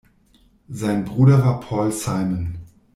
Sein Bruder war Paul Simon.